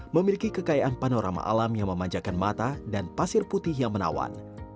memiliki kekayaan panorama alam yang memanjakan mata dan pasir putih yang menawan